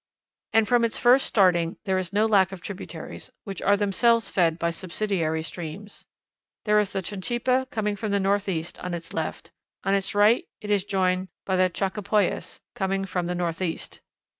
And from its first starting there is no lack of tributaries, which are themselves fed by subsidiary streams. There is the Chinchipa, coming from the northeast, on its left. On its right it is joined by the Chachapoyas, coming from the northeast.